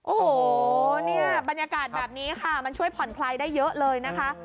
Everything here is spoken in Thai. โอ้โหเนี่ยบรรยากาศแบบนี้ค่ะมันช่วยผ่อนคลายได้เยอะเลยนะคะ